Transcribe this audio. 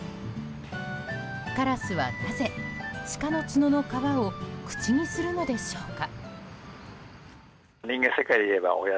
カラスは、なぜシカの角の皮を口にするのでしょうか。